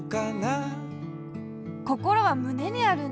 こころはむねにあるんだ。